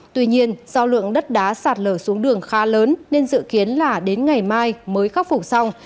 tuy nhiên do lượng đất đá sạt lở xuống đường khá lớn nên dự kiến là đến ngày mai mới khắc phục xong